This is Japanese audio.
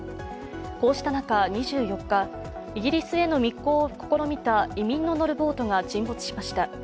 こうした中、２４日、イギリスへの密航を試みた移民が乗るボートが沈没しました。